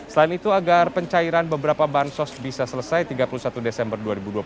selain itu agar pencairan beberapa bansos bisa selesai tiga puluh satu desember dua ribu dua puluh satu